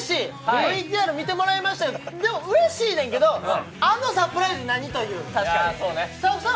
ＶＴＲ見てもらいましたけど、うれしいねんけどあのサプライズ、何？っていう。